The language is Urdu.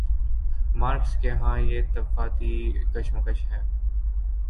مارکس کے ہاں یہ طبقاتی کشمکش ہے۔